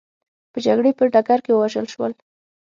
په جګړې په ډګر کې ووژل شول.